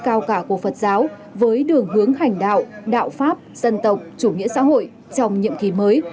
cao cả của phật giáo với đường hướng hành đạo đạo pháp dân tộc chủ nghĩa xã hội trong nhiệm kỳ mới